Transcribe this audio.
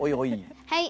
はい。